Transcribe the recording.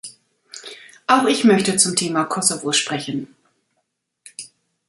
Auch ich möchte zum Thema Kosovo sprechen.